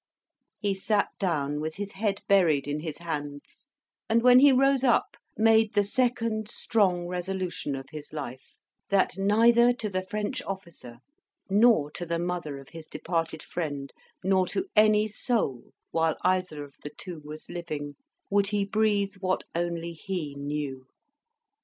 He sat down, with his head buried in his hands, and, when he rose up, made the second strong resolution of his life, that neither to the French officer, nor to the mother of his departed friend, nor to any soul, while either of the two was living, would he breathe what only he knew.